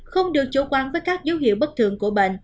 không được chủ quan với các dấu hiệu bất thường